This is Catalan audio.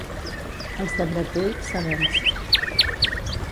Els de Bretui, sabents.